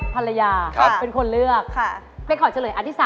เป็คลอดเฉลยอันที่๓